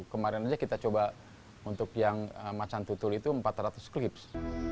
kemarin aja kita coba untuk yang macan tutul itu empat ratus klips